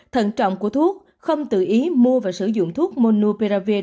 thận trọng của thuốc không tự ý mua và sử dụng thuốc monoperav